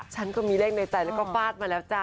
ฉันก็มีเลขในใจแล้วก็ฟาดมาแล้วจ้ะ